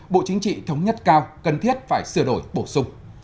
bộ chính trị thống nhất cao cần thiết phải sửa đổi bổ sung